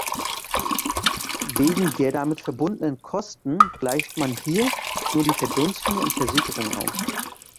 Wegen der damit verbundenen Kosten gleicht man hier nur die Verdunstung und Versickerung aus.